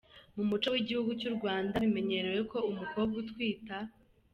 Mu muco w’igihugu cy’u Rwanda, bimenyerewe ko umukobwa utwita.